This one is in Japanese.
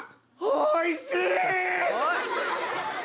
おいしい！